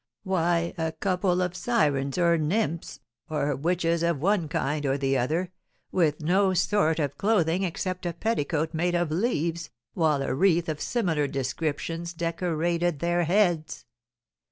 Why, a couple of sirens, or nymphs, or witches of one kind or the other, with no sort of clothing except a petticoat made of leaves, while a wreath of similar descriptions decorated their heads.